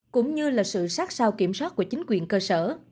cũng như là sự sát sao kiểm soát của chính quyền cơ sở